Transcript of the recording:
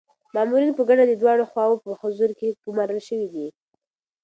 مامورین په ګډه د دواړو خواوو په حضور کي ګمارل شوي دي.